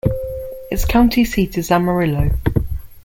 Its county seat is Amarillo.